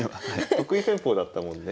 得意戦法だったもんね。